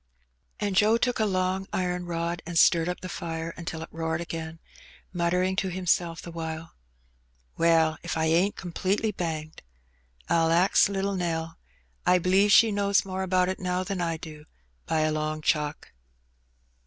And Joe took a long iron rod and stirred up the fire until it roared again, muttering to himself the while. ''Well, if I ain't completely banged. I'll ax little NelL I b'lieve she knows more about it now than I do, by a long chalk."